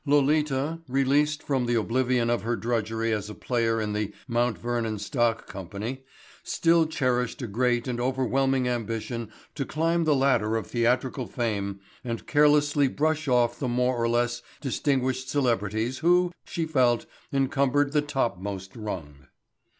Lolita, released from the oblivion of her drudgery as a player in the Mt. Vernon Stock Company, still cherished a great and overwhelming ambition to climb the ladder of theatrical fame and carelessly brush off the more or less distinguished celebrities who, she felt, encumbered the topmost rung.